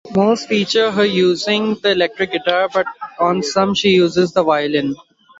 Most feature her using the electric guitar, but on some she uses the violin.